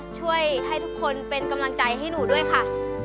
ช่วยให้ทุกคนเป็นกำลังใจให้หนูด้วยค่ะ